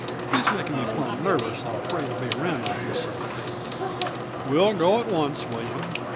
He's making me plumb nervous and afraid to be around him, he's so fatal." "We'll go at once, William.